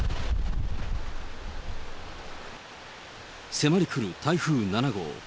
迫り来る台風７号。